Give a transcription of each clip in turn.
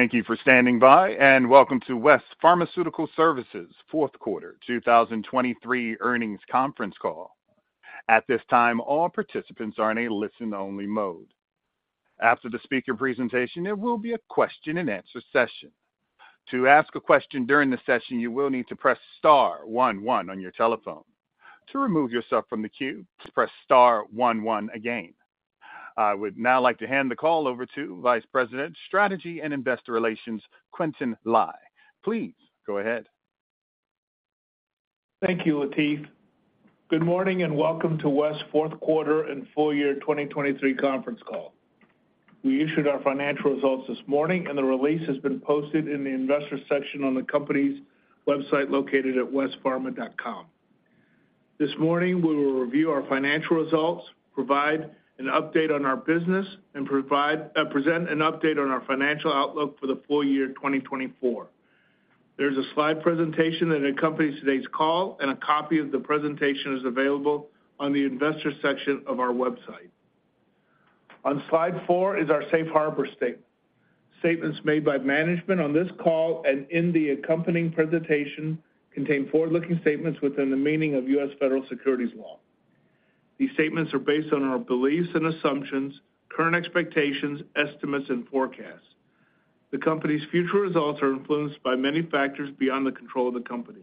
Thank you for standing by, and welcome to West Pharmaceutical Services' 4th quarter 2023 earnings conference call. At this time, all participants are in a listen-only mode. After the speaker presentation, it will be a question-and-answer session. To ask a question during the session, you will need to press star one-one on your telephone. To remove yourself from the queue, press star one-one again. I would now like to hand the call over to Vice President Strategy and Investor Relations, Quintin Lai. Please go ahead. Thank you, Latif. Good morning and welcome to West's fourth quarter and full-year 2023 conference call. We issued our financial results this morning, and the release has been posted in the investor section on the company's website located at westpharma.com. This morning, we will review our financial results, provide an update on our business, and present an update on our financial outlook for the full year 2024. There is a slide presentation that accompanies today's call, and a copy of the presentation is available on the investor section of our website. On slide four is our safe harbor statement. Statements made by management on this call and in the accompanying presentation contain forward-looking statements within the meaning of U.S. federal securities law. These statements are based on our beliefs and assumptions, current expectations, estimates, and forecasts. The company's future results are influenced by many factors beyond the control of the company.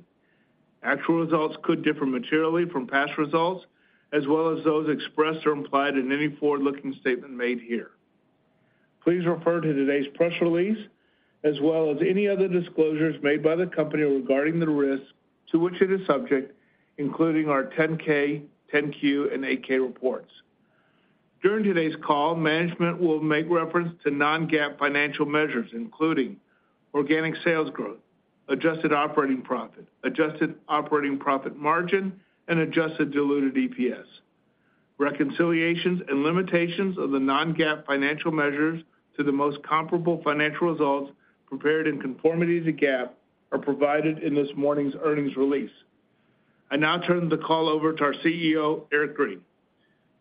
Actual results could differ materially from past results, as well as those expressed or implied in any forward-looking statement made here. Please refer to today's press release, as well as any other disclosures made by the company regarding the risks to which it is subject, including our 10-K, 10-Q, and 8-K reports. During today's call, management will make reference to non-GAAP financial measures, including organic sales growth, adjusted operating profit, adjusted operating profit margin, and adjusted diluted EPS. Reconciliations and limitations of the non-GAAP financial measures to the most comparable financial results prepared in conformity to GAAP are provided in this morning's earnings release. I now turn the call over to our CEO, Eric Green.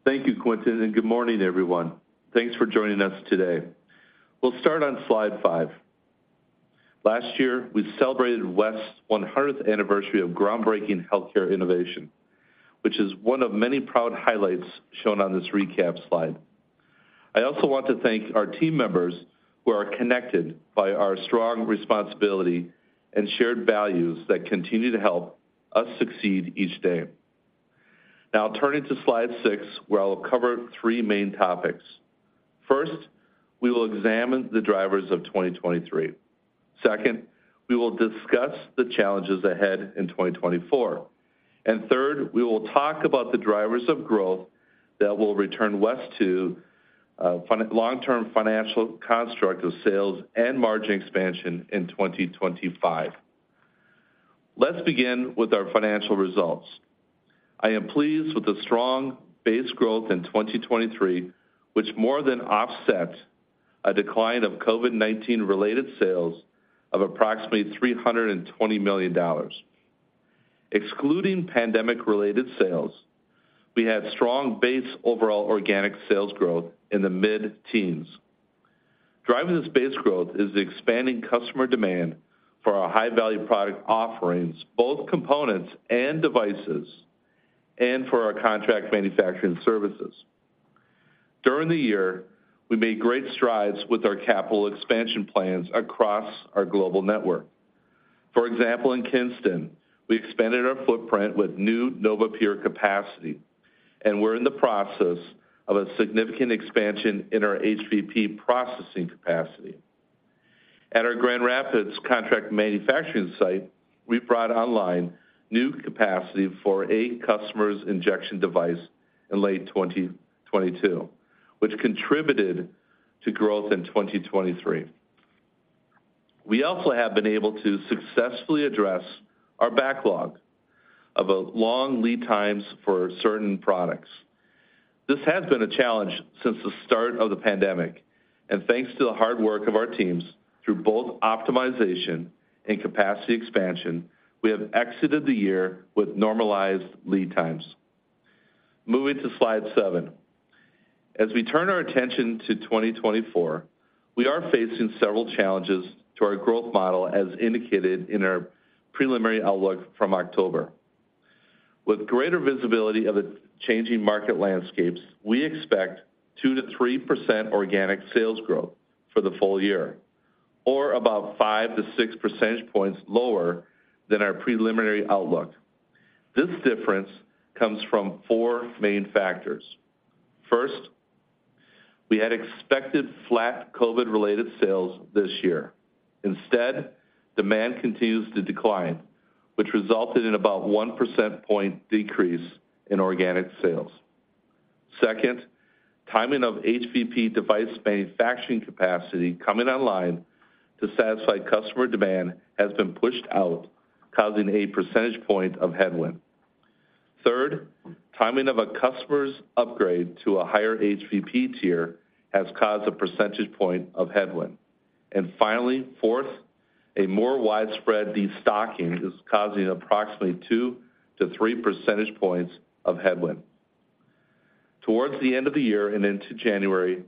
Thank you, Quintin, and good morning, everyone. Thanks for joining us today. We'll start on slide 5. Last year, we celebrated West's 100th anniversary of groundbreaking healthcare innovation, which is one of many proud highlights shown on this recap slide. I also want to thank our team members who are connected by our strong responsibility and shared values that continue to help us succeed each day. Now, turning to slide 6, where I'll cover three main topics. First, we will examine the drivers of 2023. Second, we will discuss the challenges ahead in 2024. And third, we will talk about the drivers of growth that will return West to a long-term financial construct of sales and margin expansion in 2025. Let's begin with our financial results. I am pleased with the strong base growth in 2023, which more than offset a decline of COVID-19-related sales of approximately $320 million. Excluding pandemic-related sales, we had strong base overall organic sales growth in the mid-teens. Driving this base growth is the expanding customer demand for our high-value product offerings, both components and devices, and for our contract manufacturing services. During the year, we made great strides with our capital expansion plans across our global network. For example, in Kingston, we expanded our footprint with new NovaPure capacity, and we're in the process of a significant expansion in our HVP processing capacity. At our Grand Rapids contract manufacturing site, we brought online new capacity for a customer's injection device in late 2022, which contributed to growth in 2023. We also have been able to successfully address our backlog of long lead times for certain products. This has been a challenge since the start of the pandemic, and thanks to the hard work of our teams through both optimization and capacity expansion, we have exited the year with normalized lead times. Moving to slide 7. As we turn our attention to 2024, we are facing several challenges to our growth model, as indicated in our preliminary outlook from October. With greater visibility of the changing market landscapes, we expect 2%-3% organic sales growth for the full year, or about 5%-6% points lower than our preliminary outlook. This difference comes from four main factors. First, we had expected flat COVID-related sales this year. Instead, demand continues to decline, which resulted in about a 1% point decrease in organic sales. Second, timing of HVP device manufacturing capacity coming online to satisfy customer demand has been pushed out, causing a percentage point of headwind. Third, timing of a customer's upgrade to a higher HVP tier has caused a percentage point of headwind. And finally, fourth, a more widespread destocking is causing approximately 2%-3% points of headwind. Towards the end of the year and into January,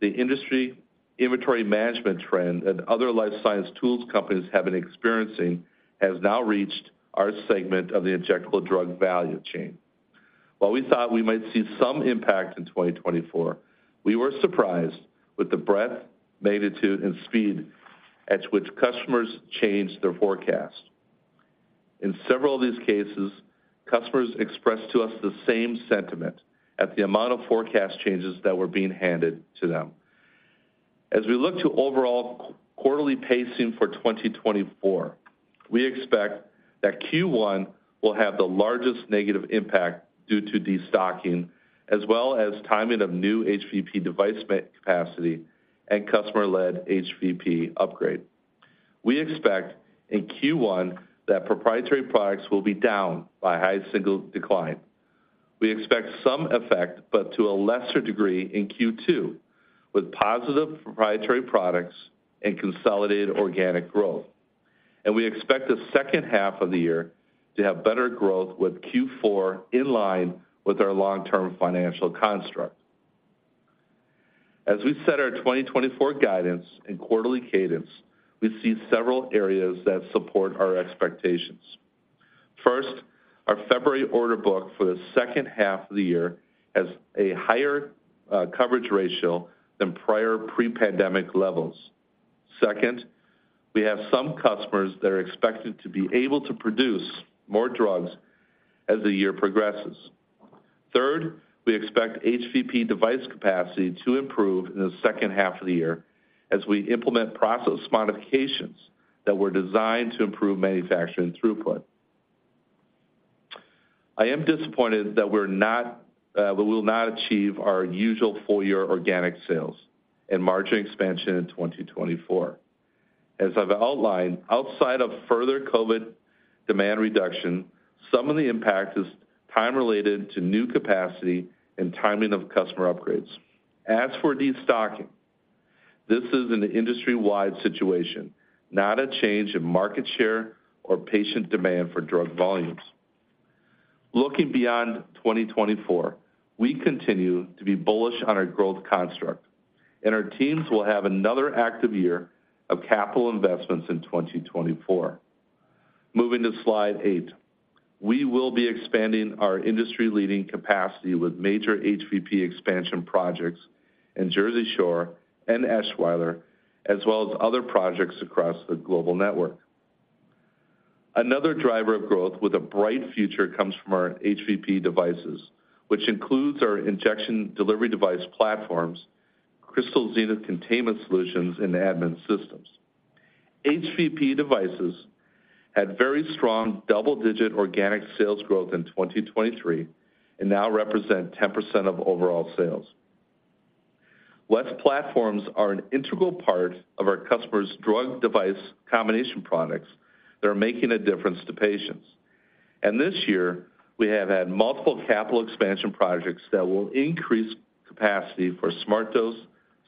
the industry inventory management trend that other life science tools companies have been experiencing has now reached our segment of the injectable drug value chain. While we thought we might see some impact in 2024, we were surprised with the breadth, magnitude, and speed at which customers changed their forecast. In several of these cases, customers expressed to us the same sentiment at the amount of forecast changes that were being handed to them. As we look to overall quarterly pacing for 2024, we expect that Q1 will have the largest negative impact due to destocking, as well as timing of new HVP device capacity and customer-led HVP upgrade. We expect in Q1 that proprietary products will be down by a high single-digit decline. We expect some effect, but to a lesser degree in Q2, with positive proprietary products and consolidated organic growth. We expect the second half of the year to have better growth with Q4 in line with our long-term financial construct. As we set our 2024 guidance and quarterly cadence, we see several areas that support our expectations. First, our February order book for the second half of the year has a higher coverage ratio than prior pre-pandemic levels. Second, we have some customers that are expected to be able to produce more drugs as the year progresses. Third, we expect HVP device capacity to improve in the second half of the year as we implement process modifications that were designed to improve manufacturing throughput. I am disappointed that we will not achieve our usual full-year organic sales and margin expansion in 2024. As I've outlined, outside of further COVID demand reduction, some of the impact is time-related to new capacity and timing of customer upgrades. As for destocking, this is an industry-wide situation, not a change in market share or patient demand for drug volumes. Looking beyond 2024, we continue to be bullish on our growth construct. And our teams will have another active year of capital investments in 2024. Moving to slide 8. We will be expanding our industry-leading capacity with major HVP expansion projects in Jersey Shore and Eschweiler, as well as other projects across the global network. Another driver of growth with a bright future comes from our HVP devices, which includes our injection delivery device platforms, Crystal Zenith containment solutions, and admin systems. HVP devices had very strong double-digit organic sales growth in 2023 and now represent 10% of overall sales. West platforms are an integral part of our customers' drug-device combination products that are making a difference to patients. This year, we have had multiple capital expansion projects that will increase capacity for SmartDose,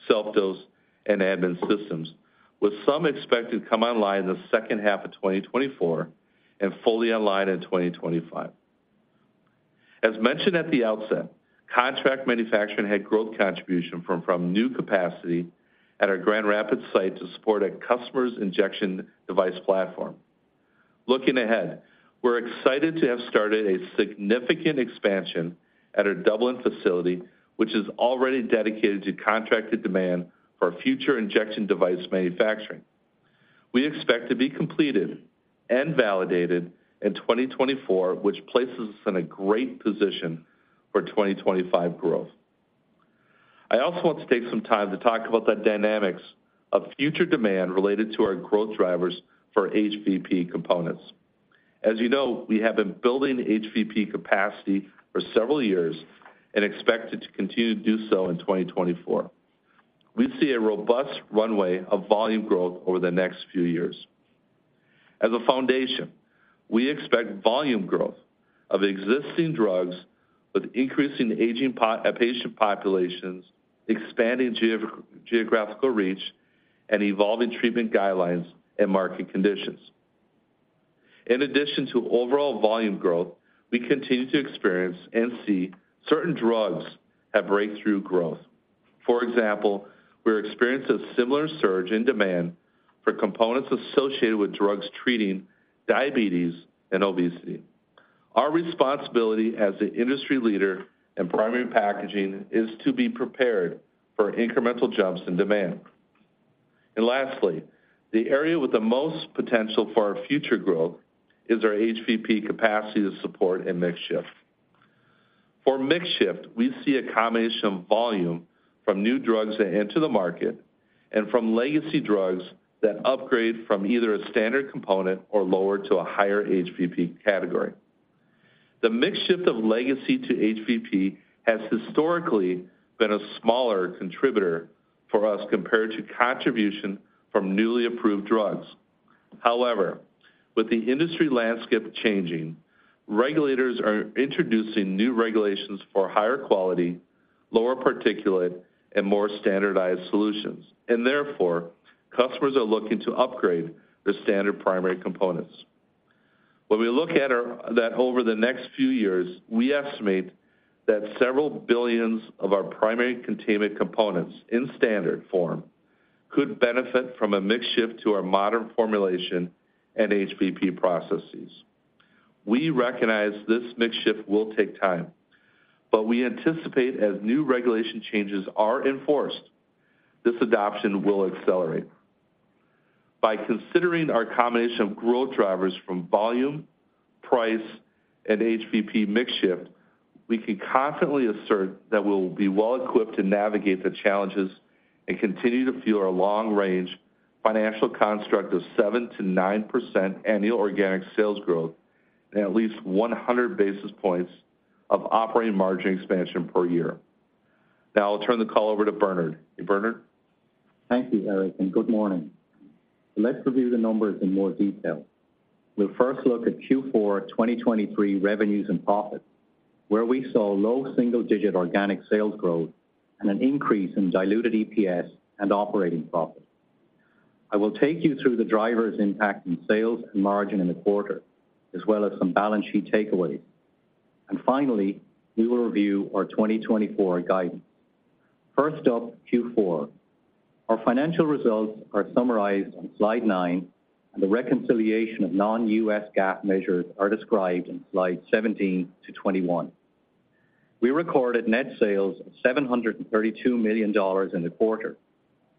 SelfDose, and admin systems, with some expected to come online in the second half of 2024 and fully online in 2025. As mentioned at the outset, contract manufacturing had growth contribution from new capacity at our Grand Rapids site to support a customer's injection device platform. Looking ahead, we're excited to have started a significant expansion at our Dublin facility, which is already dedicated to contracted demand for future injection device manufacturing. We expect to be completed and validated in 2024, which places us in a great position for 2025 growth. I also want to take some time to talk about the dynamics of future demand related to our growth drivers for HVP components. As you know, we have been building HVP capacity for several years and expect it to continue to do so in 2024. We see a robust runway of volume growth over the next few years. As a foundation, we expect volume growth of existing drugs with increasing aging patient populations, expanding geographical reach, and evolving treatment guidelines and market conditions. In addition to overall volume growth, we continue to experience and see certain drugs have breakthrough growth. For example, we're experiencing a similar surge in demand for components associated with drugs treating diabetes and obesity. Our responsibility as the industry leader and primary packaging is to be prepared for incremental jumps in demand. And lastly, the area with the most potential for our future growth is our HVP capacity to support and mix shift. For mix shift, we see a combination of volume from new drugs that enter the market and from legacy drugs that upgrade from either a standard component or lower to a higher HVP category. The mix shift of legacy to HVP has historically been a smaller contributor for us compared to contribution from newly approved drugs. However, with the industry landscape changing, regulators are introducing new regulations for higher quality, lower particulate, and more standardized solutions, and therefore, customers are looking to upgrade their standard primary components. When we look at that over the next few years, we estimate that several billions of our primary containment components in standard form could benefit from a mix shift to our modern formulation and HVP processes. We recognize this mix shift will take time. But we anticipate as new regulation changes are enforced, this adoption will accelerate. By considering our combination of growth drivers from volume, price, and HVP mix shift, we can confidently assert that we'll be well-equipped to navigate the challenges and continue to fuel our long-range financial construct of 7%-9% annual organic sales growth and at least 100 basis points of operating margin expansion per year. Now I'll turn the call over to Bernard. Hey, Bernard. Thank you, Eric, and good morning. Let's review the numbers in more detail. We'll first look at Q4 2023 revenues and profits, where we saw low single-digit organic sales growth and an increase in diluted EPS and operating profit. I will take you through the drivers impacting sales and margin in the quarter, as well as some balance sheet takeaways. Finally, we will review our 2024 guidance. First up, Q4. Our financial results are summarized on slide 9, and the reconciliation of non-GAAP measures are described in slides 17 to 21. We recorded net sales of $732 million in the quarter,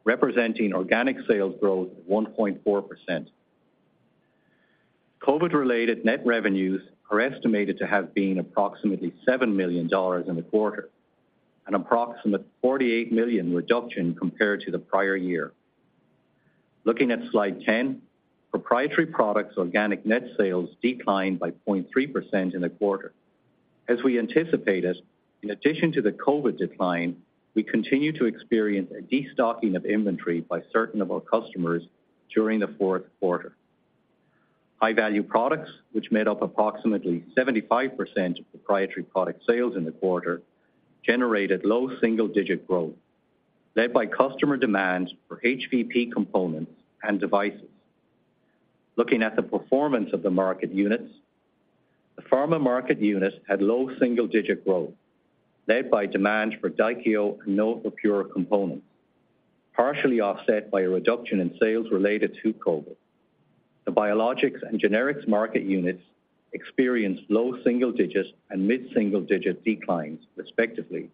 representing organic sales growth of 1.4%. COVID-related net revenues are estimated to have been approximately $7 million in the quarter, an approximate $48 million reduction compared to the prior year. Looking at slide 10, proprietary products organic net sales declined by 0.3% in the quarter. As we anticipate it, in addition to the COVID decline, we continue to experience a destocking of inventory by certain of our customers during the fourth quarter. High-value products, which made up approximately 75% of proprietary product sales in the quarter, generated low single-digit growth, led by customer demand for HVP components and devices. Looking at the performance of the market units, the pharma market units had low single-digit growth, led by demand for Daikyo and NovaPure components, partially offset by a reduction in sales related to COVID. The biologics and generics market units experienced low single-digit and mid-single-digit declines, respectively,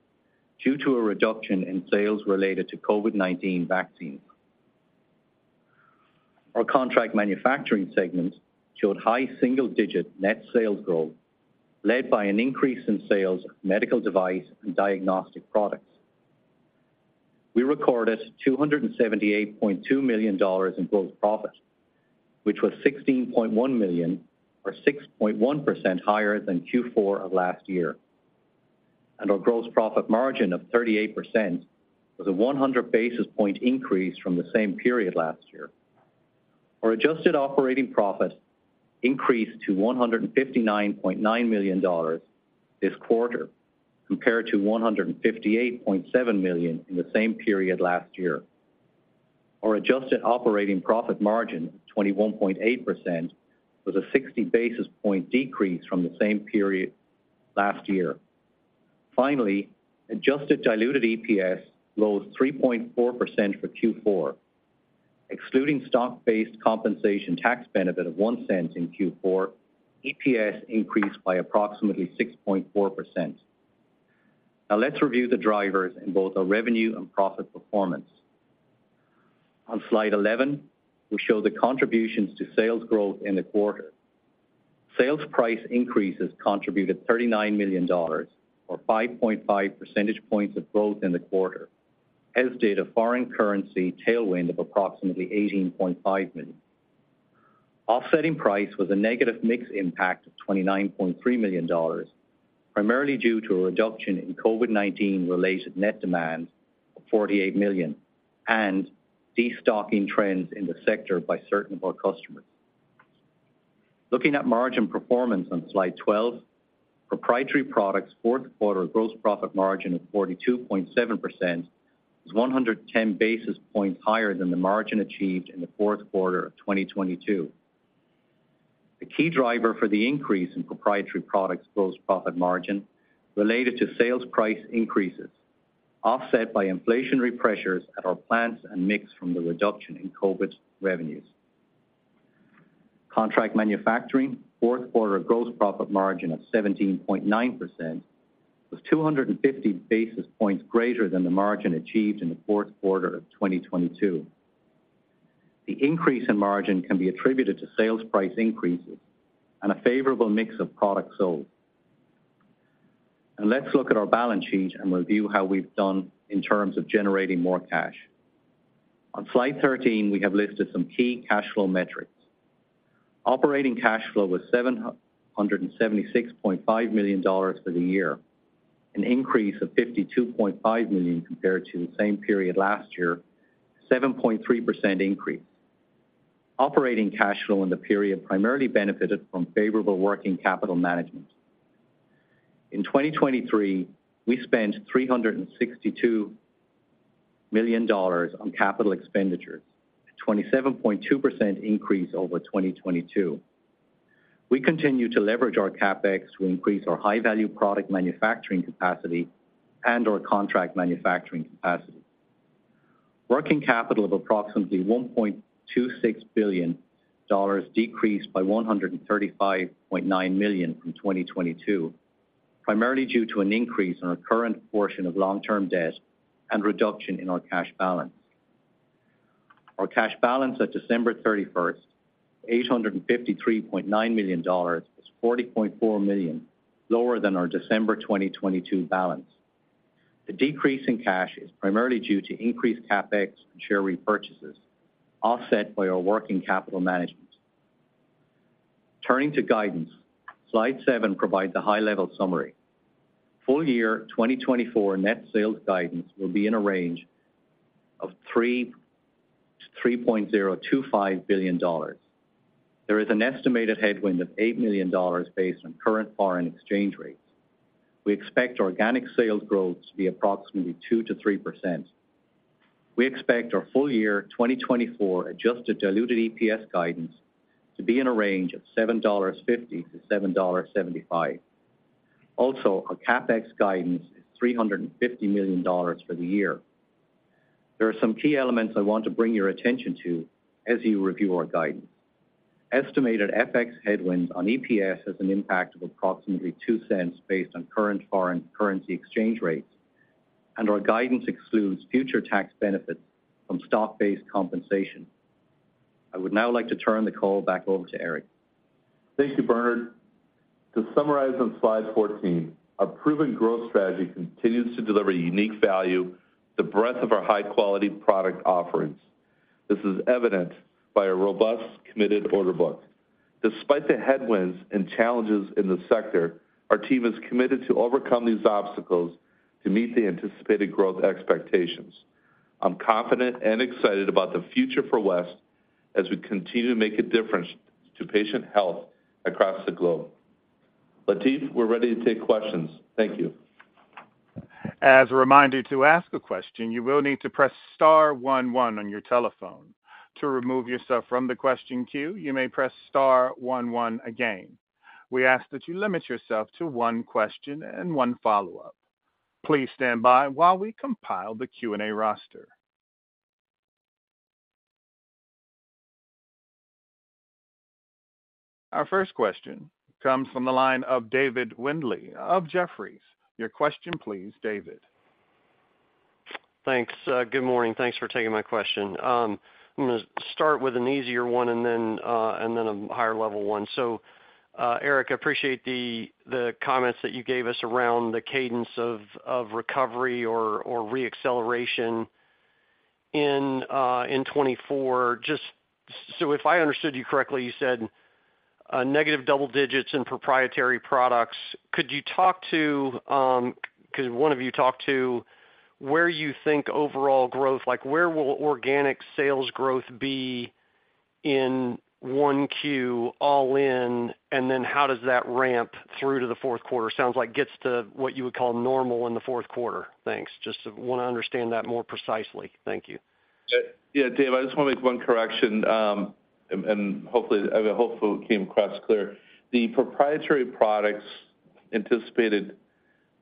due to a reduction in sales related to COVID-19 vaccines. Our contract manufacturing segment showed high single-digit net sales growth, led by an increase in sales of medical device and diagnostic products. We recorded $278.2 million in gross profit, which was $16.1 million, or 6.1% higher than Q4 of last year. Our gross profit margin of 38% was a 100 basis point increase from the same period last year. Our adjusted operating profit increased to $159.9 million this quarter, compared to $158.7 million in the same period last year. Our adjusted operating profit margin of 21.8% was a 60 basis point decrease from the same period last year. Finally, adjusted diluted EPS rose 3.4% for Q4. Excluding stock-based compensation tax benefit of $0.01 in Q4, EPS increased by approximately 6.4%. Now let's review the drivers in both our revenue and profit performance. On slide 11, we show the contributions to sales growth in the quarter. Sales price increases contributed $39 million, or 5.5 percentage points of growth in the quarter, as did a foreign currency tailwind of approximately $18.5 million. Offsetting price was a negative mix impact of $29.3 million, primarily due to a reduction in COVID-19-related net demand of $48 million and destocking trends in the sector by certain of our customers. Looking at margin performance on slide 12, proprietary products fourth quarter gross profit margin of 42.7% was 110 basis points higher than the margin achieved in the fourth quarter of 2022. The key driver for the increase in proprietary products gross profit margin related to sales price increases, offset by inflationary pressures at our plants and mixed from the reduction in COVID revenues. Contract manufacturing fourth quarter gross profit margin of 17.9% was 250 basis points greater than the margin achieved in the fourth quarter of 2022. The increase in margin can be attributed to sales price increases and a favorable mix of products sold. Let's look at our balance sheet and review how we've done in terms of generating more cash. On slide 13, we have listed some key cash flow metrics. Operating cash flow was $776.5 million for the year, an increase of $52.5 million compared to the same period last year, a 7.3% increase. Operating cash flow in the period primarily benefited from favorable working capital management. In 2023, we spent $362 million on capital expenditures, a 27.2% increase over 2022. We continue to leverage our CapEx to increase our high-value product manufacturing capacity and our contract manufacturing capacity. Working capital of approximately $1.26 billion decreased by $135.9 million from 2022, primarily due to an increase in our current portion of long-term debt and reduction in our cash balance. Our cash balance at December 31st, $853.9 million was $40.4 million lower than our December 2022 balance. The decrease in cash is primarily due to increased CapEx and share repurchases, offset by our working capital management. Turning to guidance, slide 7 provides a high-level summary. Full year 2024 net sales guidance will be in a range of $3-$3.025 billion. There is an estimated headwind of $8 million based on current foreign exchange rates. We expect organic sales growth to be approximately 2%-3%. We expect our full year 2024 adjusted diluted EPS guidance to be in a range of $7.50-$7.75. Also, our CapEx guidance is $350 million for the year. There are some key elements I want to bring your attention to as you review our guidance. Estimated FX headwinds on EPS has an impact of approximately $0.02 based on current foreign currency exchange rates, and our guidance excludes future tax benefits from stock-based compensation. I would now like to turn the call back over to Eric. Thank you, Bernard. To summarize on slide 14, our proven growth strategy continues to deliver unique value to the breadth of our high-quality product offerings. This is evident by our robust, committed order book. Despite the headwinds and challenges in the sector, our team is committed to overcome these obstacles to meet the anticipated growth expectations. I'm confident and excited about the future for West as we continue to make a difference to patient health across the globe. Latif, we're ready to take questions. Thank you. As a reminder to ask a question, you will need to press star one-one on your telephone. To remove yourself from the question queue, you may press star one-one again. We ask that you limit yourself to one question and one follow-up. Please stand by while we compile the Q&A roster. Our first question comes from the line of David Windley of Jefferies. Your question, please, David. Thanks. Good morning. Thanks for taking my question. I'm going to start with an easier one and then a higher-level one. So, Eric, I appreciate the comments that you gave us around the cadence of recovery or reacceleration in 2024. So if I understood you correctly, you said negative double digits in proprietary products. Could one of you talk to where you think overall growth will be, where organic sales growth will be in Q1 all-in, and then how does that ramp through to the fourth quarter? Sounds like it gets to what you would call normal in the fourth quarter. Thanks. Just want to understand that more precisely. Thank you. Yeah, David, I just want to make one correction. Hopefully, I mean, hopefully it came across clear. The proprietary products' anticipated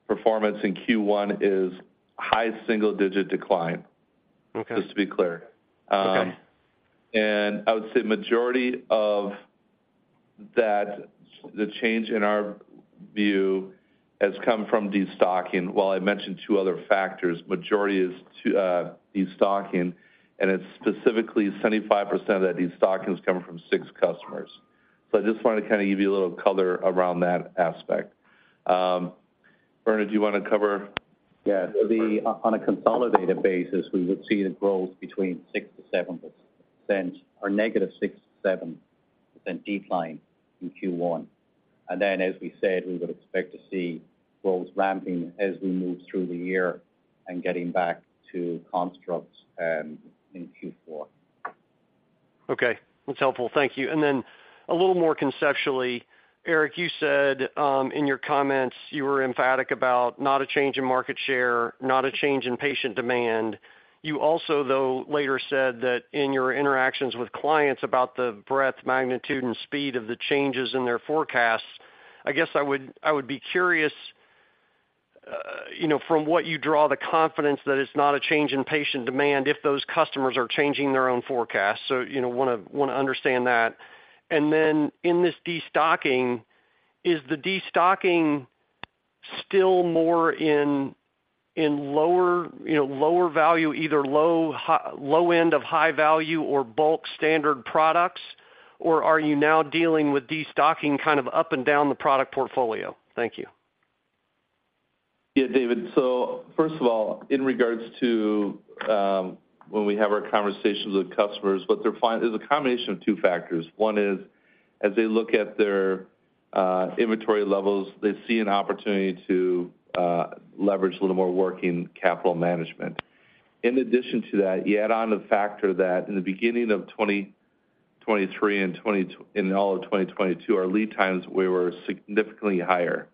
performance in Q1 is high single-digit decline, just to be clear. I would say the majority of that change in our view has come from destocking. While I mentioned two other factors, the majority is destocking, and it's specifically 75% of that destocking is coming from six customers. So I just wanted to kind of give you a little color around that aspect. Bernard, do you want to cover? Yeah. So on a consolidated basis, we would see the growth between 6%-7% or negative 6%-7% decline in Q1. And then, as we said, we would expect to see growth ramping as we move through the year and getting back to construct in Q4. Okay. That's helpful. Thank you. And then a little more conceptually, Eric, you said in your comments, you were emphatic about not a change in market share, not a change in patient demand. You also, though, later said that in your interactions with clients about the breadth, magnitude, and speed of the changes in their forecasts. I guess I would be curious from what you draw the confidence that it's not a change in patient demand if those customers are changing their own forecasts? So I want to understand that. And then in this destocking, is the destocking still more in lower value, either low-end of high value or bulk standard products, or are you now dealing with destocking kind of up and down the product portfolio? Thank you. Yeah, David. So first of all, in regards to when we have our conversations with customers, what they're finding is a combination of two factors. One is as they look at their inventory levels, they see an opportunity to leverage a little more working capital management. In addition to that, you add on the factor that in the beginning of 2023 and all of 2022, our lead times were significantly higher,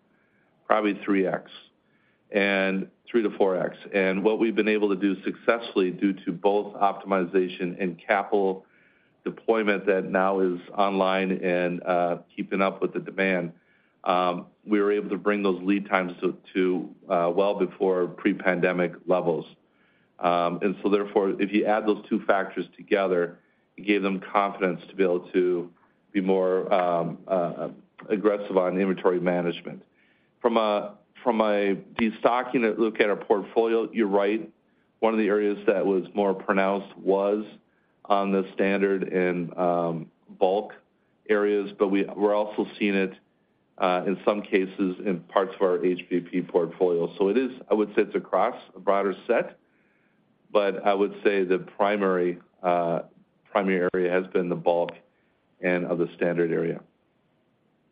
probably 3x and 3-4x. And what we've been able to do successfully due to both optimization and capital deployment that now is online and keeping up with the demand, we were able to bring those lead times to well before pre-pandemic levels. And so therefore, if you add those two factors together, it gave them confidence to be able to be more aggressive on inventory management. From a destocking look at our portfolio, you're right. One of the areas that was more pronounced was on the standard and bulk areas, but we're also seeing it in some cases in parts of our HVP portfolio. I would say it's across a broader set, but I would say the primary area has been the bulk and the standard area.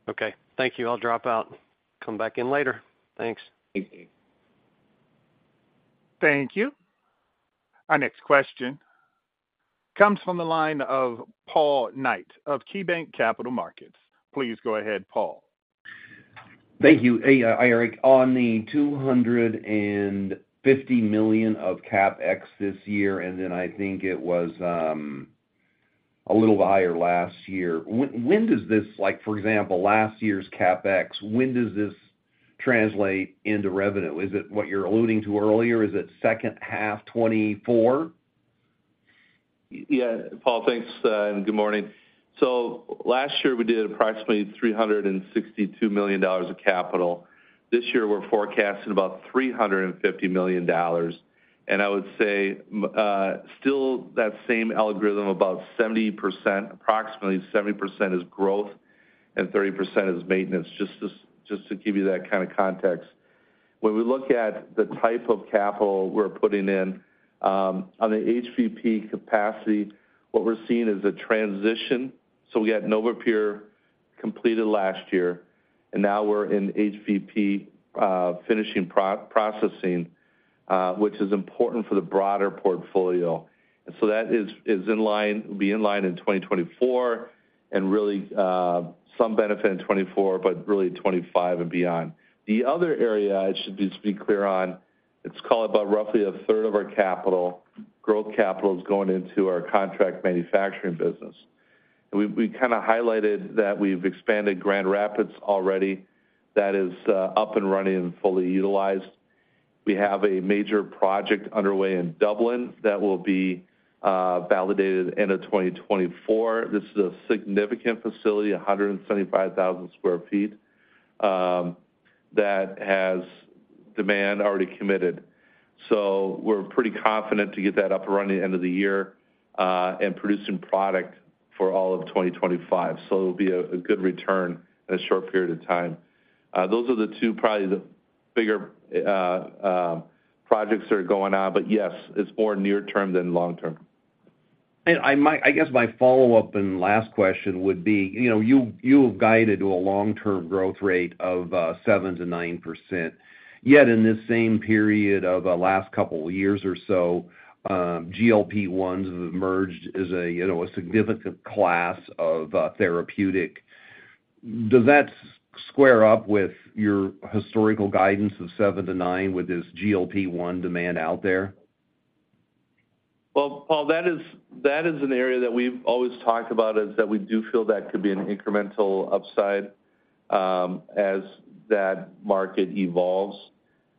Okay. Thank you. I'll drop out. Come back in later. Thanks. Thank you. Thank you. Our next question comes from the line of Paul Knight of KeyBanc Capital Markets. Please go ahead, Paul. Thank you, Eric. On the $250 million of CapEx this year, and then I think it was a little higher last year. When does this, for example, last year's CapEx, when does this translate into revenue? Is it what you're alluding to earlier? Is it second half 2024? Yeah, Paul, thanks and good morning. So last year, we did approximately $362 million of capital. This year, we're forecasting about $350 million. And I would say still that same algorithm, about 70%, approximately 70% is growth and 30% is maintenance, just to give you that kind of context. When we look at the type of capital we're putting in, on the HVP capacity, what we're seeing is a transition. So we got NovaPure completed last year, and now we're in HVP finishing processing, which is important for the broader portfolio. And so that will be in line in 2024 and really some benefit in 2024, but really 2025 and beyond. The other area, it should be clear on, it's called about roughly a third of our capital, growth capital is going into our contract manufacturing business. And we kind of highlighted that we've expanded Grand Rapids already. That is up and running and fully utilized. We have a major project underway in Dublin that will be validated end of 2024. This is a significant facility, 175,000 sq ft, that has demand already committed. So we're pretty confident to get that up and running end of the year and producing product for all of 2025. So it will be a good return in a short period of time. Those are the two, probably the bigger projects that are going on, but yes, it's more near-term than long-term. I guess my follow-up and last question would be, you have guided to a long-term growth rate of 7%-9%. Yet in this same period of the last couple of years or so, GLP-1s have emerged as a significant class of therapeutic. Does that square up with your historical guidance of 7%-9% with this GLP-1 demand out there? Well, Paul, that is an area that we've always talked about is that we do feel that could be an incremental upside as that market evolves.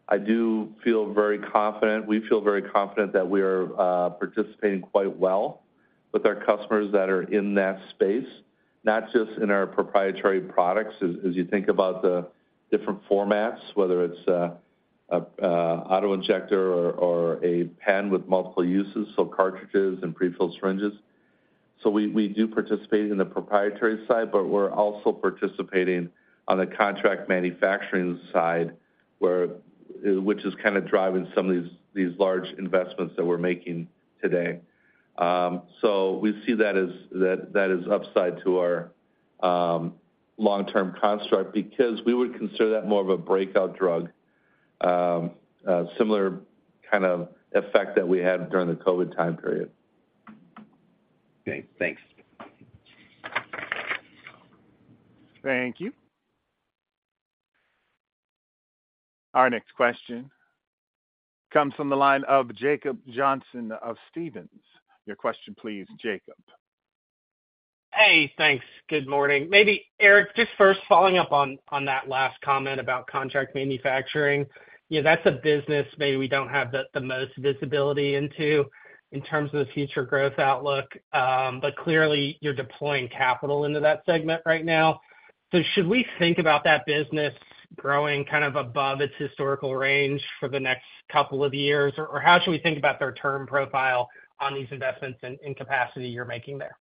I do feel very confident. We feel very confident that we are participating quite well with our customers that are in that space, not just in our proprietary products. As you think about the different formats, whether it's an auto injector or a pen with multiple uses, so cartridges and prefilled syringes. So we do participate in the proprietary side, but we're also participating on the contract manufacturing side, which is kind of driving some of these large investments that we're making today. So we see that as upside to our long-term construct because we would consider that more of a breakout drug, similar kind of effect that we had during the COVID time period. Okay. Thanks. Thank you. Our next question comes from the line of Jacob Johnson of Stephens. Your question, please, Jacob. Hey, thanks. Good morning. Maybe, Eric, just first, following up on that last comment about contract manufacturing. That's a business maybe we don't have the most visibility into in terms of the future growth outlook, but clearly, you're deploying capital into that segment right now. So should we think about that business growing kind of above its historical range for the next couple of years, or how should we think about their term profile on these investments in capacity you're making there?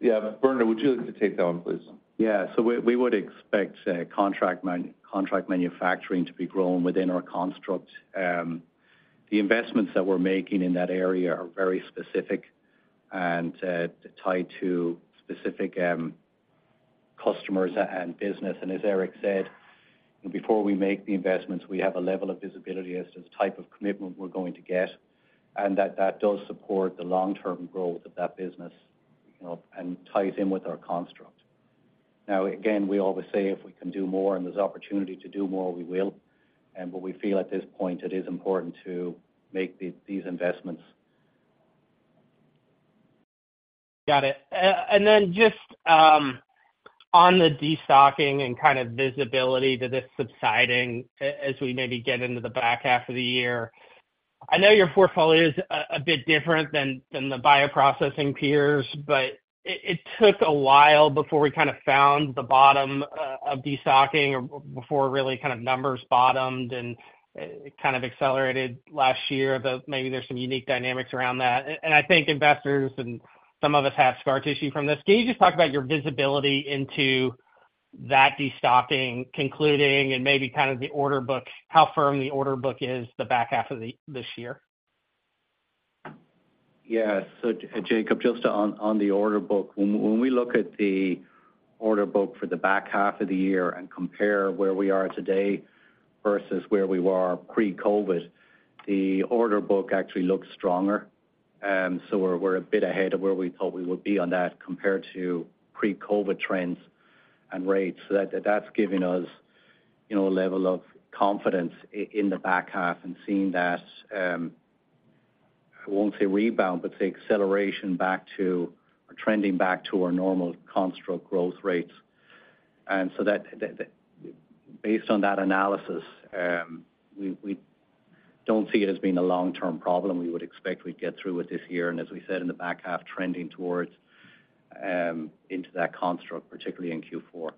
Yeah, Bernard, would you like to take that one, please? Yeah. So we would expect contract manufacturing to be growing within our construct. The investments that we're making in that area are very specific and tied to specific customers and business. And as Eric said, before we make the investments, we have a level of visibility as to the type of commitment we're going to get, and that does support the long-term growth of that business and ties in with our construct. Now, again, we always say if we can do more and there's opportunity to do more, we will. But we feel at this point, it is important to make these investments. Got it. And then just on the destocking and kind of visibility to this subsiding as we maybe get into the back half of the year, I know your portfolio is a bit different than the bioprocessing peers, but it took a while before we kind of found the bottom of destocking or before really kind of numbers bottomed and kind of accelerated last year. Maybe there's some unique dynamics around that. And I think investors and some of us have scar tissue from this. Can you just talk about your visibility into that destocking, concluding, and maybe kind of how firm the order book is the back half of this year? Yeah. So, Jacob, just on the order book, when we look at the order book for the back half of the year and compare where we are today versus where we were pre-COVID, the order book actually looks stronger. So we're a bit ahead of where we thought we would be on that compared to pre-COVID trends and rates. So that's given us a level of confidence in the back half and seeing that, I won't say rebound, but say acceleration back to or trending back to our normal construct growth rates. And so based on that analysis, we don't see it as being a long-term problem. We would expect we'd get through it this year. And as we said in the back half, trending towards into that construct, particularly in Q4.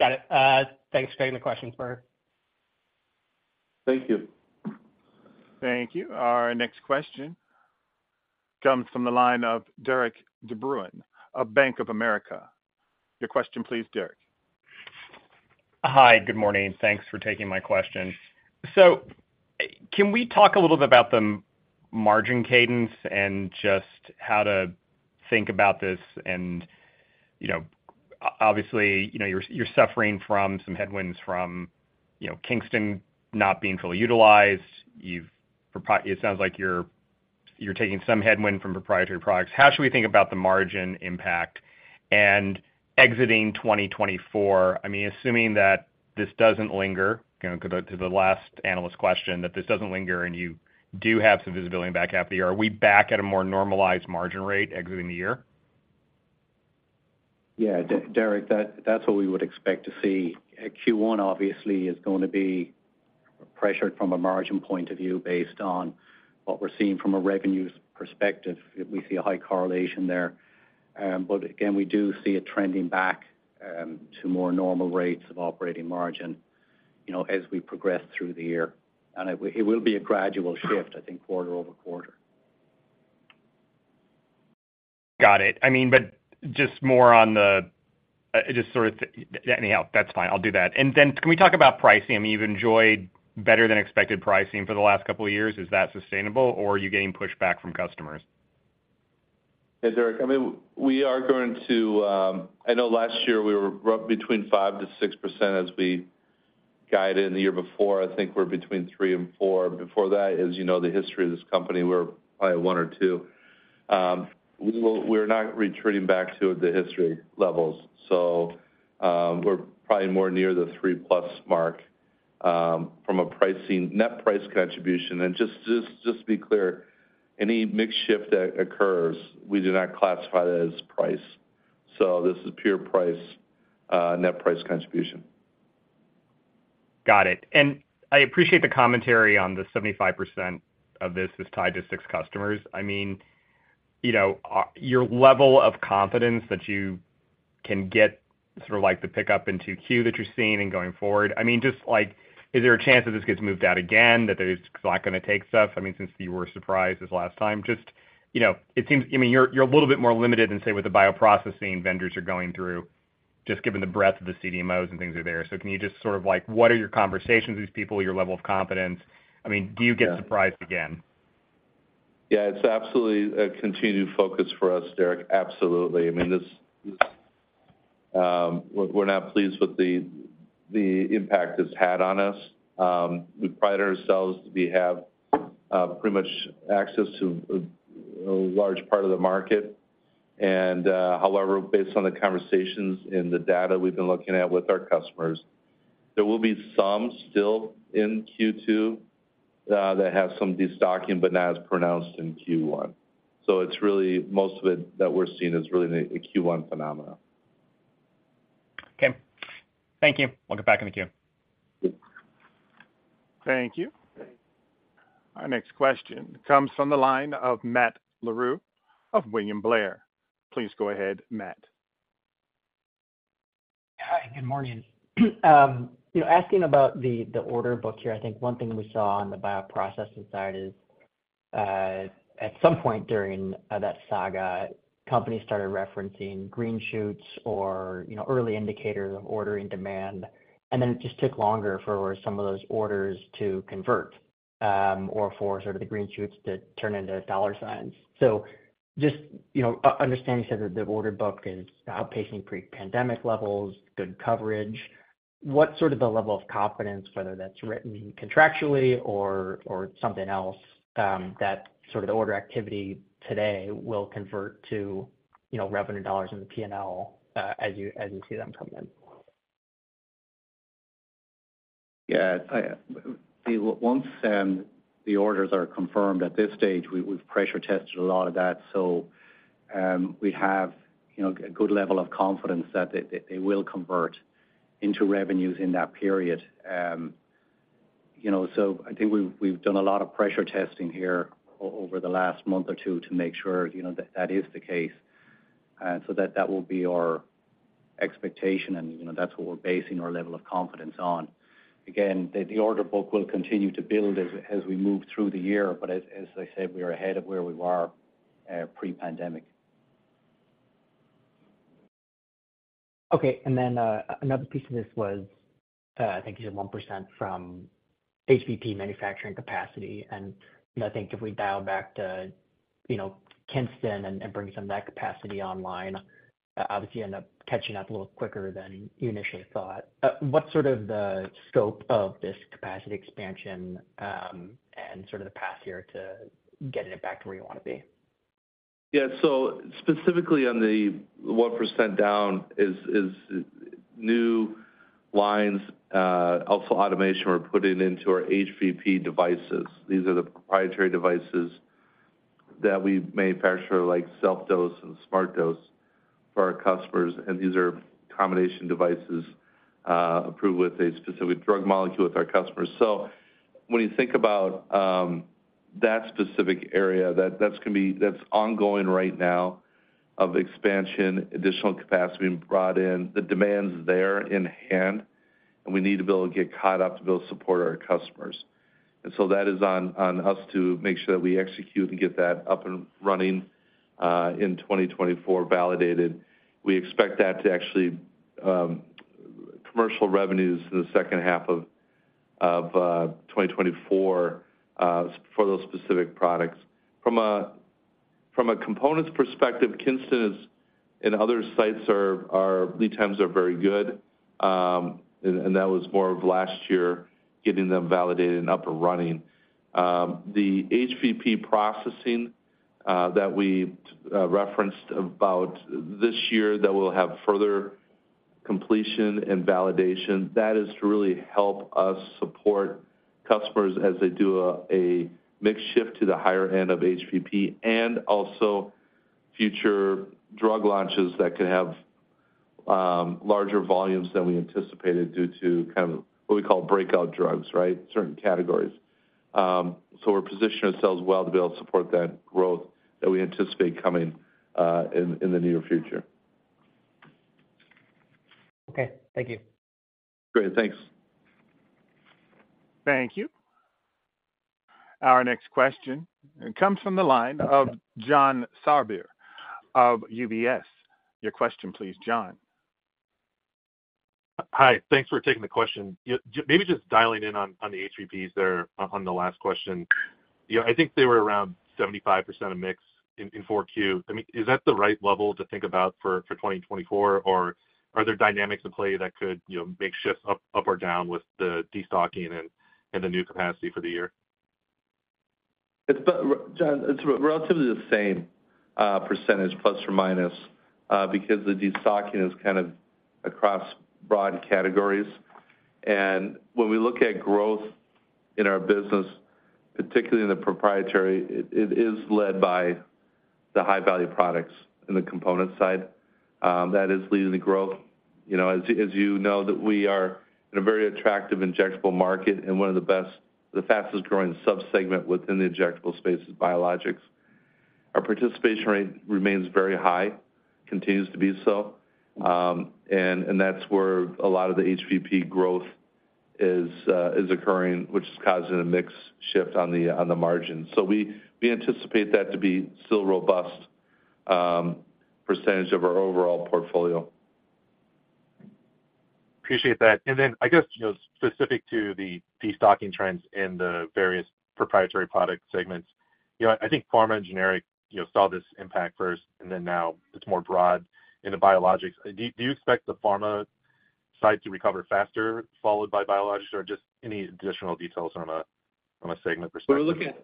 Got it. Thanks for taking the question, Bernard. Thank you. Thank you. Our next question comes from the line of Derik de Bruin of Bank of America. Your question, please, Derek. Hi. Good morning. Thanks for taking my question. So can we talk a little bit about the margin cadence and just how to think about this? Obviously, you're suffering from some headwinds from Kingston not being fully utilized. It sounds like you're taking some headwind from proprietary products. How should we think about the margin impact and exiting 2024? I mean, assuming that this doesn't linger, to the last analyst question, that this doesn't linger and you do have some visibility in the back half of the year, are we back at a more normalized margin rate exiting the year? Yeah, Derek, that's what we would expect to see. Q1, obviously, is going to be pressured from a margin point of view based on what we're seeing from a revenues perspective. We see a high correlation there. But again, we do see it trending back to more normal rates of operating margin as we progress through the year. And it will be a gradual shift, I think, quarter over quarter. Got it. I mean, but just more on that. That's fine. I'll do that. Then can we talk about pricing? I mean, you've enjoyed better-than-expected pricing for the last couple of years. Is that sustainable, or are you getting pushback from customers? Hey, Derek. I mean, we are going to. I know last year, we were between 5%-6% as we guided in the year before. I think we're between 3%-4%. Before that, as you know, the history of this company, we're probably at 1%-2%. We're not retreating back to the history levels. So we're probably more near the 3%+ mark from a net price contribution. And just to be clear, any mixed shift that occurs, we do not classify that as price. So this is pure net price contribution. Got it. I appreciate the commentary on the 75% of this is tied to six customers. I mean, your level of confidence that you can get sort of the pickup in 2Q that you're seeing and going forward. I mean, just is there a chance that this gets moved out again, that it's not going to take stuff? I mean, since you were surprised this last time, just it seems I mean, you're a little bit more limited than, say, what the bioprocessing vendors are going through just given the breadth of the CDMOs and things are there. So can you just sort of what are your conversations with these people, your level of confidence? I mean, do you get surprised again? Yeah, it's absolutely a continued focus for us, Derek. Absolutely. I mean, we're not pleased with the impact it's had on us. We pride ourselves to have pretty much access to a large part of the market. However, based on the conversations and the data we've been looking at with our customers, there will be some still in Q2 that have some destocking, but not as pronounced in Q1. So it's really most of it that we're seeing is really a Q1 phenomenon. Okay. Thank you. I'll get back in the queue. Thank you. Our next question comes from the line of Matt Larew of William Blair. Please go ahead, Matt. Hi. Good morning. Asking about the order book here, I think one thing we saw on the bioprocessing side is at some point during that saga, companies started referencing green shoots or early indicators of order and demand. And then it just took longer for some of those orders to convert or for sort of the green shoots to turn into dollar signs. So just understanding you said that the order book is outpacing pre-pandemic levels, good coverage. What's sort of the level of confidence, whether that's written contractually or something else, that sort of the order activity today will convert to revenue dollars in the P&L as you see them coming in? Yeah. Once the orders are confirmed at this stage, we've pressure-tested a lot of that. So we have a good level of confidence that they will convert into revenues in that period. So I think we've done a lot of pressure testing here over the last month or two to make sure that is the case. And so that will be our expectation, and that's what we're basing our level of confidence on. Again, the order book will continue to build as we move through the year. But as I said, we are ahead of where we were pre-pandemic. Okay. And then another piece of this was, I think you said 1% from HVP manufacturing capacity. And I think if we dial back to Kingston and bring some of that capacity online, obviously, you end up catching up a little quicker than you initially thought. What's sort of the scope of this capacity expansion and sort of the path here to getting it back to where you want to be? Yeah. So specifically on the 1% down, new lines, also automation we're putting into our HVP devices. These are the proprietary devices that we manufacture like SelfDose and SmartDose for our customers. And these are combination devices approved with a specific drug molecule with our customers. So when you think about that specific area, that's ongoing right now of expansion, additional capacity being brought in. The demand's there in hand, and we need to be able to get caught up to be able to support our customers. And so that is on us to make sure that we execute and get that up and running in 2024 validated. We expect that to actually commercial revenues in the second half of 2024 for those specific products. From a components perspective, Kingston and other sites are lead times are very good. And that was more of last year getting them validated and up and running. The HVP processing that we referenced about this year that will have further completion and validation, that is to really help us support customers as they do a mixed shift to the higher end of HVP and also future drug launches that could have larger volumes than we anticipated due to kind of what we call breakout drugs, right, certain categories. So we're positioning ourselves well to be able to support that growth that we anticipate coming in the near future. Okay. Thank you. Great. Thanks. Thank you. Our next question comes from the line of John Sourbeer of UBS. Your question, please, John. Hi. Thanks for taking the question. Maybe just dialing in on the HVPs there on the last question. I think they were around 75% of mix in 4Q. I mean, is that the right level to think about for 2024, or are there dynamics at play that could make shifts up or down with the destocking and the new capacity for the year? John, it's relatively the same percentage ± because the destocking is kind of across broad categories. When we look at growth in our business, particularly in the proprietary, it is led by the high-value products in the component side. That is leading the growth. As you know, we are in a very attractive injectable market and one of the best, the fastest-growing subsegment within the injectable space is biologics. Our participation rate remains very high, continues to be so. And that's where a lot of the HVP growth is occurring, which is causing a mixed shift on the margins. We anticipate that to be still a robust percentage of our overall portfolio. Appreciate that. And then I guess specific to the destocking trends in the various proprietary product segments, I think pharma and generic saw this impact first, and then now it's more broad in the biologics. Do you expect the pharma side to recover faster followed by biologics, or just any additional details from a segment perspective?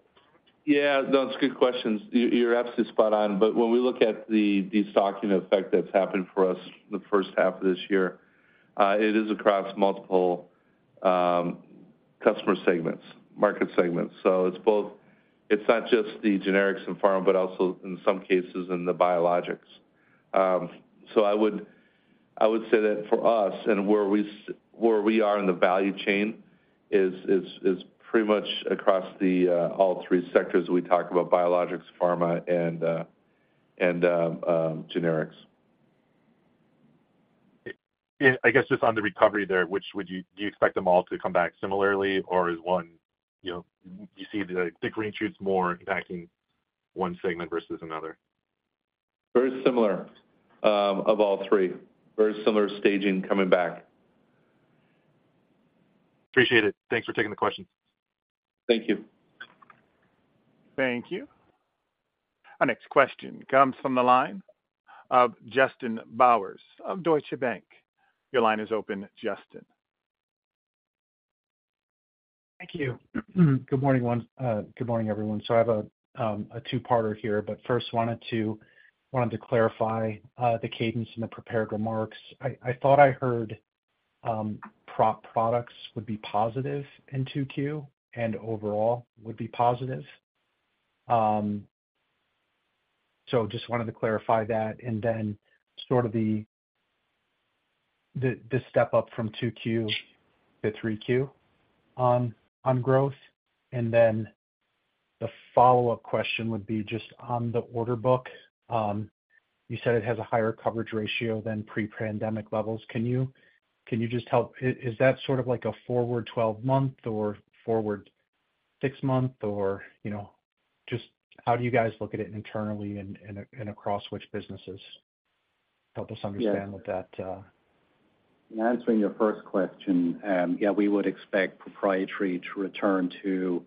Yeah, that's good questions. You're absolutely spot on. But when we look at the destocking effect that's happened for us the first half of this year, it is across multiple customer segments, market segments. So it's not just the generics and pharma, but also in some cases in the biologics. So I would say that for us and where we are in the value chain is pretty much across all three sectors. We talk about biologics, pharma, and generics. I guess just on the recovery there, do you expect them all to come back similarly, or is one you see the green shoots more impacting one segment versus another? Very similar of all three. Very similar staging coming back. Appreciate it. Thanks for taking the questions. Thank you. Thank you. Our next question comes from the line of Justin Bowers of Deutsche Bank. Your line is open, Justin. Thank you. Good morning, everyone. So I have a two-parter here, but first, wanted to clarify the cadence and the prepared remarks. I thought I heard prop products would be positive in 2Q and overall would be positive. So just wanted to clarify that and then sort of the step up from 2Q to 3Q on growth. And then the follow-up question would be just on the order book. You said it has a higher coverage ratio than pre-pandemic levels. Can you just help? Is that sort of like a forward 12-month or forward 6-month, or just how do you guys look at it internally and across which businesses? Help us understand what that. Answering your first question, yeah, we would expect proprietary to return to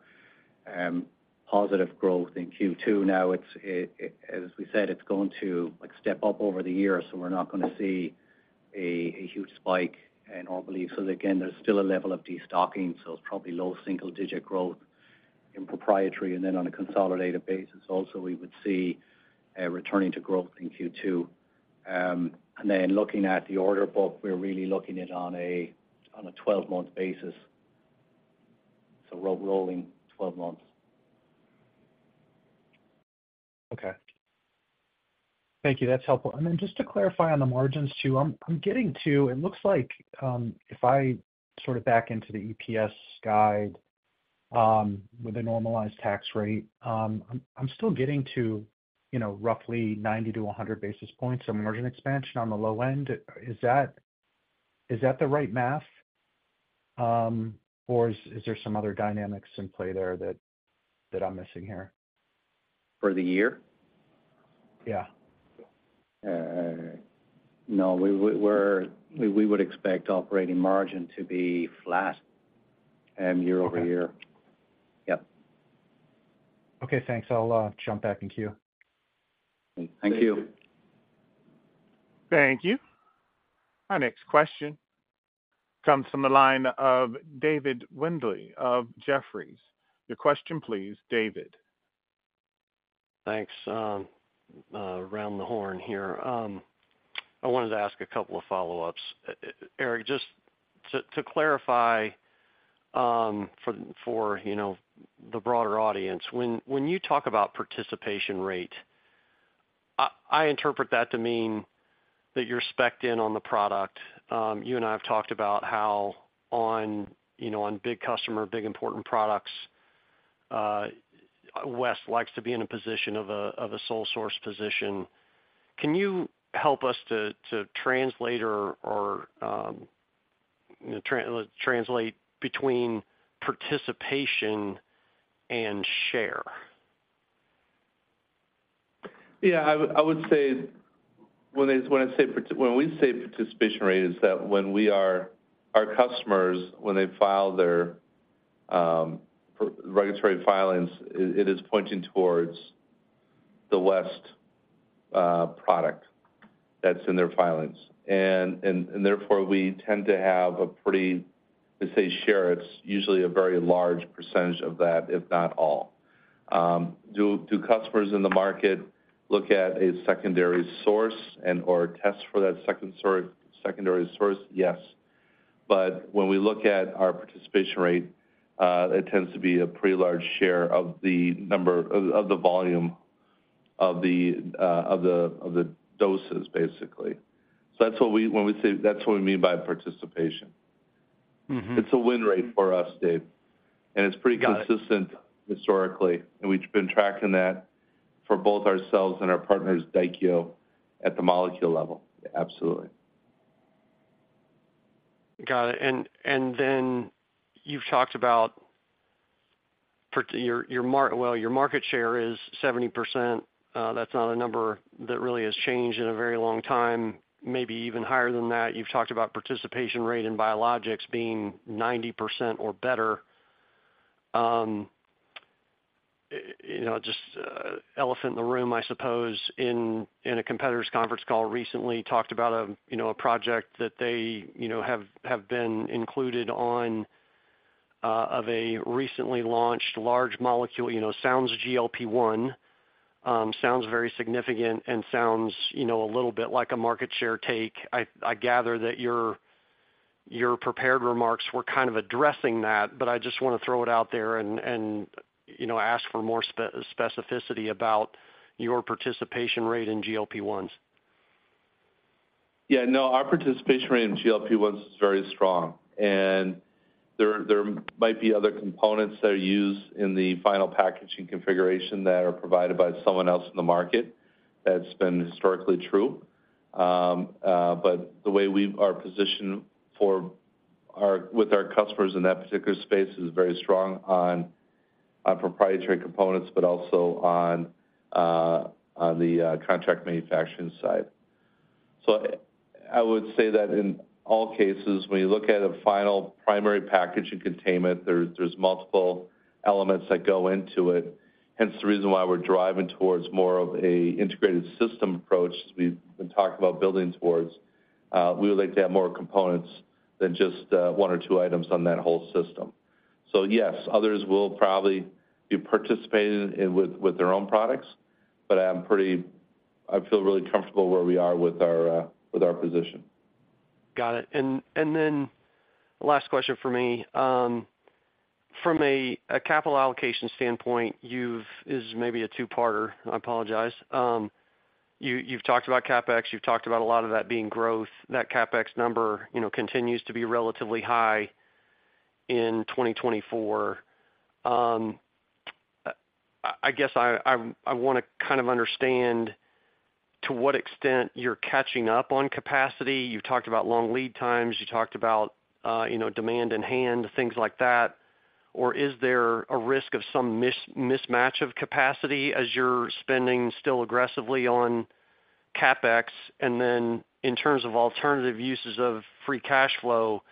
positive growth in Q2. Now, as we said, it's going to step up over the year, so we're not going to see a huge spike, in our belief. So again, there's still a level of destocking, so it's probably low single-digit growth in proprietary. And then on a consolidated basis, also, we would see returning to growth in Q2. And then looking at the order book, we're really looking at on a 12-month basis, so rolling 12 months. Okay. Thank you. That's helpful. And then just to clarify on the margins too, I'm getting to it looks like if I sort of back into the EPS guide with a normalized tax rate, I'm still getting to roughly 90-100 basis points of margin expansion on the low end. Is that the right math, or is there some other dynamics in play there that I'm missing here? For the year? Yeah. No, we would expect operating margin to be flat year-over-year. Yep. Okay. Thanks. I'll jump back in queue. Thank you. Thank you. Our next question comes from the line of David Windley of Jefferies. Your question, please, David. Thanks. Around the horn here. I wanted to ask a couple of follow-ups. Eric, just to clarify for the broader audience, when you talk about participation rate, I interpret that to mean that you're specced in on the product. You and I have talked about how on big customer, big important products, West likes to be in a position of a sole-source position. Can you help us to translate or translate between participation and share? Yeah. I would say when I say when we say participation rate is that when our customers, when they file their regulatory filings, it is pointing towards the West product that's in their filings. And therefore, we tend to have a pretty, let's say, share, it's usually a very large percentage of that, if not all. Do customers in the market look at a secondary source and/or test for that secondary source? Yes. But when we look at our participation rate, it tends to be a pretty large share of the number of the volume of the doses, basically. So that's what we, when we say, that's what we mean by participation. It's a win rate for us, Dave. And it's pretty consistent historically. And we've been tracking that for both ourselves and our partners, Daikyo, at the molecule level. Absolutely. Got it. And then you've talked about well, your market share is 70%. That's not a number that really has changed in a very long time, maybe even higher than that. You've talked about participation rate in biologics being 90% or better. Just elephant in the room, I suppose, in a competitor's conference call recently, talked about a project that they have been included on of a recently launched large molecule. Sounds GLP-1. Sounds very significant and sounds a little bit like a market share take. I gather that your prepared remarks were kind of addressing that, but I just want to throw it out there and ask for more specificity about your participation rate in GLP-1s. Yeah. No, our participation rate in GLP-1s is very strong. And there might be other components that are used in the final packaging configuration that are provided by someone else in the market that's been historically true. But the way we are positioned with our customers in that particular space is very strong on proprietary components, but also on the contract manufacturing side. So I would say that in all cases, when you look at a final primary package and containment, there's multiple elements that go into it. Hence the reason why we're driving towards more of an integrated system approach as we've been talking about building towards. We would like to have more components than just one or two items on that whole system. So yes, others will probably be participating with their own products, but I feel really comfortable where we are with our position. Got it. And then last question for me. From a capital allocation standpoint, it's maybe a two-parter. I apologize. You've talked about CapEx. You've talked about a lot of that being growth. That CapEx number continues to be relatively high in 2024. I guess I want to kind of understand to what extent you're catching up on capacity. You've talked about long lead times. You talked about demand in hand, things like that. Or is there a risk of some mismatch of capacity as you're spending still aggressively on CapEx? And then in terms of alternative uses of free cash flow,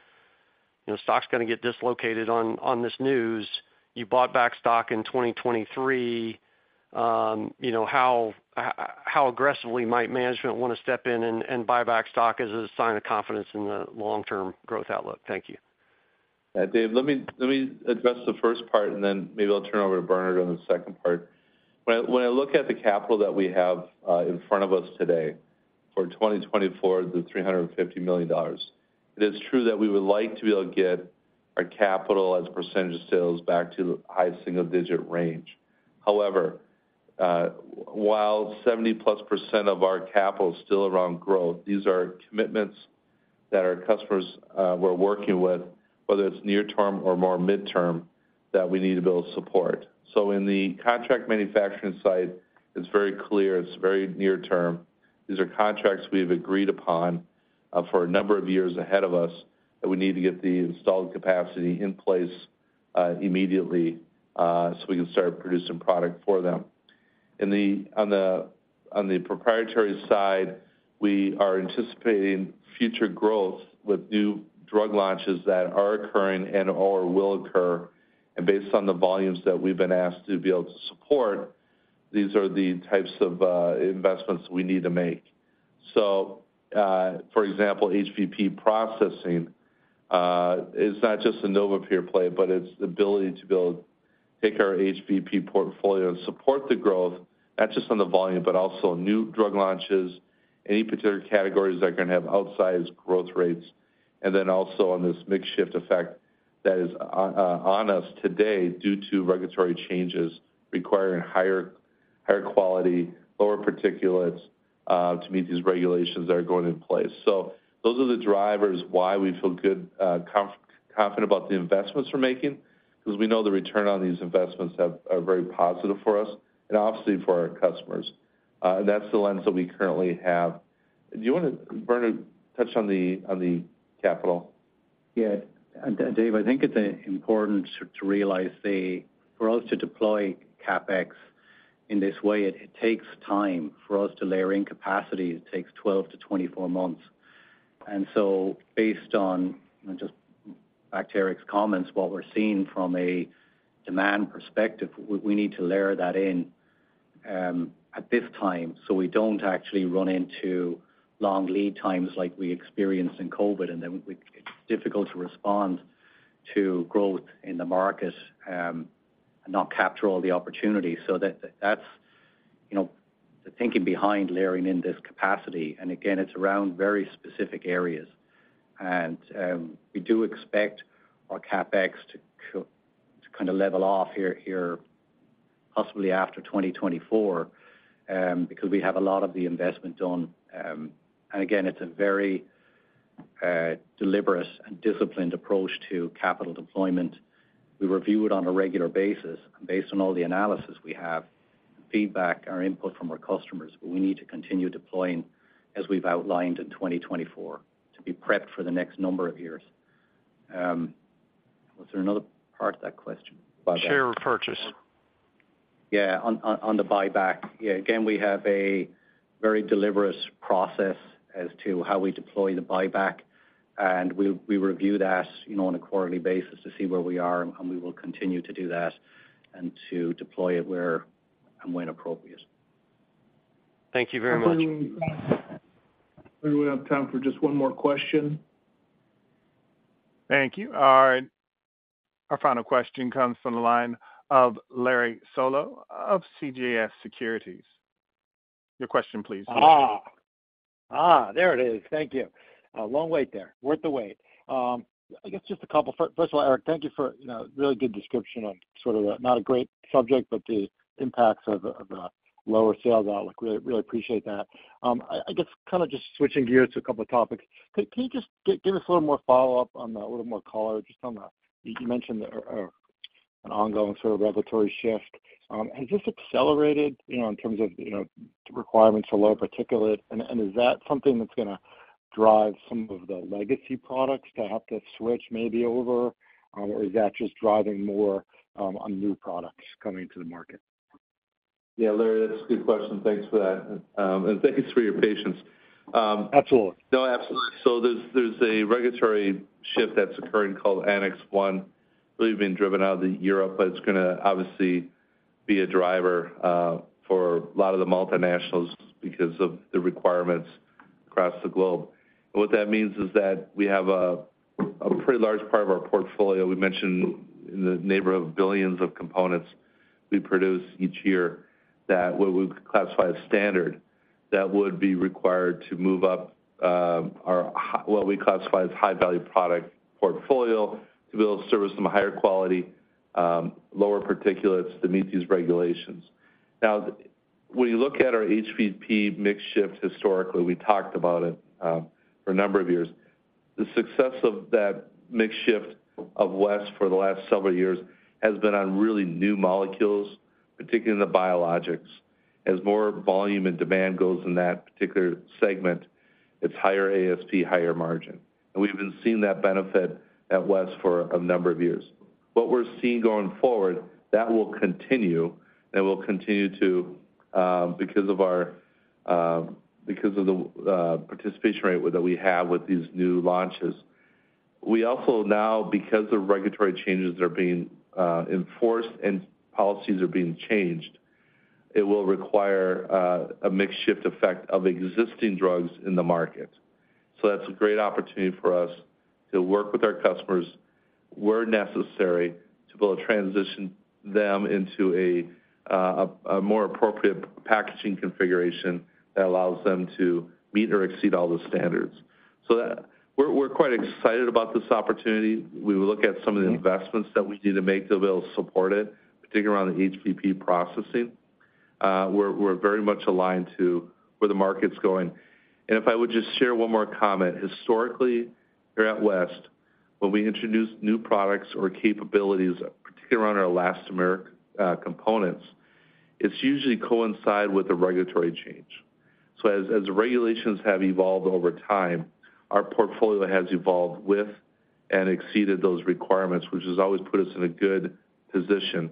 stock's going to get dislocated on this news. You bought back stock in 2023. How aggressively might management want to step in and buy back stock as a sign of confidence in the long-term growth outlook? Thank you. Dave, let me address the first part, and then maybe I'll turn over to Bernard on the second part. When I look at the capital that we have in front of us today for 2024, the $350 million, it is true that we would like to be able to get our capital as percentage of sales back to the high single-digit range. However, while 70%+ of our capital is still around growth, these are commitments that our customers we're working with, whether it's near-term or more mid-term, that we need to be able to support. So in the contract manufacturing side, it's very clear. It's very near-term. These are contracts we have agreed upon for a number of years ahead of us that we need to get the installed capacity in place immediately so we can start producing product for them. On the proprietary side, we are anticipating future growth with new drug launches that are occurring and/or will occur. Based on the volumes that we've been asked to be able to support, these are the types of investments that we need to make. For example, HVP processing is not just a NovaPure play, but it's the ability to be able to take our HVP portfolio and support the growth, not just on the volume, but also new drug launches, any particular categories that are going to have outsized growth rates, and then also on this mix-shift effect that is on us today due to regulatory changes requiring higher quality, lower particulates to meet these regulations that are going in place. So those are the drivers why we feel good, confident about the investments we're making because we know the return on these investments are very positive for us and obviously for our customers. And that's the lens that we currently have. Do you want to, Bernard, touch on the capital? Yeah. David, I think it's important to realize for us to deploy CapEx in this way, it takes time for us to layer in capacity. It takes 12-24 months. So based on just back to Eric's comments, what we're seeing from a demand perspective, we need to layer that in at this time so we don't actually run into long lead times like we experienced in COVID. Then it's difficult to respond to growth in the market and not capture all the opportunities. So that's the thinking behind layering in this capacity. Again, it's around very specific areas. We do expect our CapEx to kind of level off here, possibly after 2024, because we have a lot of the investment done. Again, it's a very deliberate and disciplined approach to capital deployment. We review it on a regular basis based on all the analysis we have, feedback, our input from our customers, but we need to continue deploying as we've outlined in 2024 to be prepped for the next number of years. Was there another part of that question? Share or purchase? Yeah, on the buyback. Yeah. Again, we have a very deliberate process as to how we deploy the buyback. We review that on a quarterly basis to see where we are, and we will continue to do that and to deploy it where and when appropriate. Thank you very much. I think we have time for just one more question. Thank you. All right. Our final question comes from the line of Larry Solow of CJS Securities. Your question, please. There it is. Thank you. Long wait there. Worth the wait. I guess just a couple first of all, Eric, thank you for a really good description on sort of not a great subject, but the impacts of a lower sales outlook. Really appreciate that. I guess kind of just switching gears to a couple of topics. Can you just give us a little more follow-up on a little more color just on the you mentioned an ongoing sort of regulatory shift. Has this accelerated in terms of requirements for lower particulate? And is that something that's going to drive some of the legacy products to have to switch maybe over, or is that just driving more on new products coming to the market? Yeah, Larry, that's a good question. Thanks for that. And thank you for your patience. Absolutely. No, absolutely. So there's a regulatory shift that's occurring called Annex 1. It's really been driven out of Europe, but it's going to obviously be a driver for a lot of the multinationals because of the requirements across the globe. And what that means is that we have a pretty large part of our portfolio we mentioned in the neighborhood of billions of components we produce each year that what we classify as standard that would be required to move up our what we classify as high-value product portfolio to be able to service them higher quality, lower particulates to meet these regulations. Now, when you look at our HVP mix shift historically, we talked about it for a number of years. The success of that mix shift of West for the last several years has been on really new molecules, particularly in the biologics. As more volume and demand goes in that particular segment, it's higher ASP, higher margin. We've been seeing that benefit at West for a number of years. What we're seeing going forward, that will continue and will continue to because of our because of the participation rate that we have with these new launches. We also now, because of regulatory changes that are being enforced and policies are being changed, it will require a mixed shift effect of existing drugs in the market. That's a great opportunity for us to work with our customers where necessary to be able to transition them into a more appropriate packaging configuration that allows them to meet or exceed all the standards. We're quite excited about this opportunity. We will look at some of the investments that we need to make to be able to support it, particularly around the HVP processing. We're very much aligned to where the market's going. And if I would just share one more comment, historically, here at West, when we introduce new products or capabilities, particularly around our elastomeric components, it's usually coincide with a regulatory change. So as regulations have evolved over time, our portfolio has evolved with and exceeded those requirements, which has always put us in a good position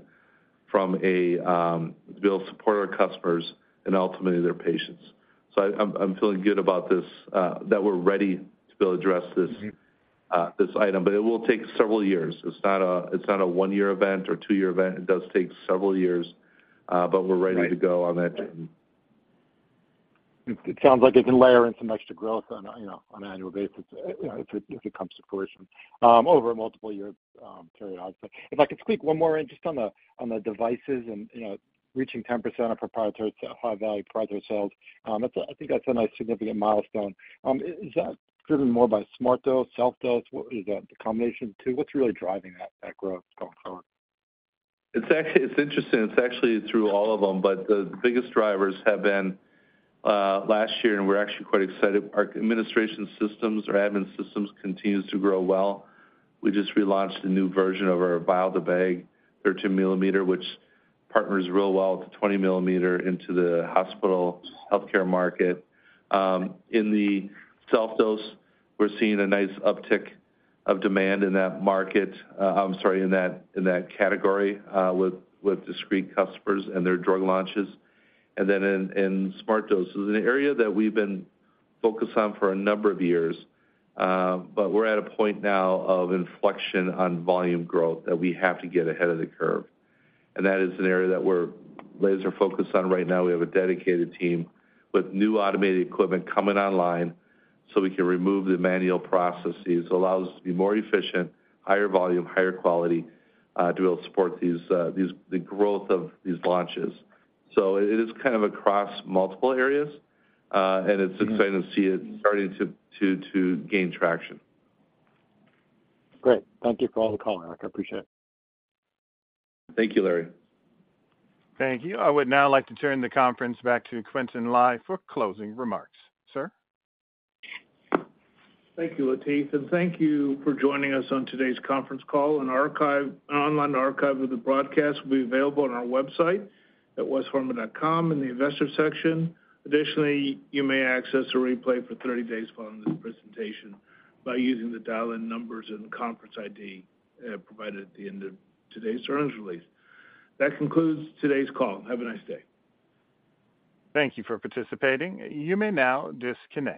from a to be able to support our customers and ultimately their patients. So I'm feeling good about this that we're ready to be able to address this item. But it will take several years. It's not a 1-year event or 2-year event. It does take several years, but we're ready to go on that journey. It sounds like it can layer in some extra growth on an annual basis if it comes to fruition over multiple years, period. If I could squeak one more in just on the devices and reaching 10% of proprietary high-value proprietary sales, I think that's a nice significant milestone. Is that driven more by SmartDose, SelfDose? Is that the combination of the two? What's really driving that growth going forward? It's interesting. It's actually through all of them, but the biggest drivers have been last year, and we're actually quite excited. Our administration systems or admin systems continue to grow well. We just relaunched a new version of our Vial2Bag 13 millimeter, which partners real well with the 20 millimeter into the hospital healthcare market. In the SelfDose, we're seeing a nice uptick of demand in that market. I'm sorry, in that category with discrete customers and their drug launches. And then in SmartDose, it's an area that we've been focused on for a number of years, but we're at a point now of inflection on volume growth that we have to get ahead of the curve. And that is an area that we're laser-focused on right now. We have a dedicated team with new automated equipment coming online so we can remove the manual processes. It allows us to be more efficient, higher volume, higher quality to be able to support the growth of these launches. So it is kind of across multiple areas, and it's exciting to see it starting to gain traction. Great. Thank you for all the call, Eric. I appreciate it. Thank you, Larry. Thank you. I would now like to turn the conference back to Quintin Lai for closing remarks. Sir? Thank you, Latif. Thank you for joining us on today's conference call. An online archive of the broadcast will be available on our website at westpharma.com in the investor section. Additionally, you may access a replay for 30 days following this presentation by using the dial-in numbers and conference ID provided at the end of today's earnings release. That concludes today's call. Have a nice day. Thank you for participating. You may now disconnect.